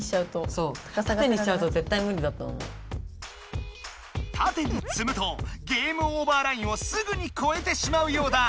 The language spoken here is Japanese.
あとたてにつむとゲームオーバーラインをすぐにこえてしまうようだ。